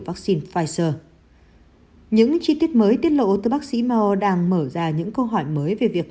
vắc xin pfizer những chi tiết mới tiết lộ từ massimo đang mở ra những câu hỏi mới về việc